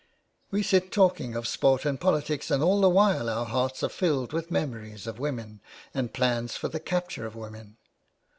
We sit talking of sport and politics, and all the while our hearts are filled with memories of women and plans for the capture of women.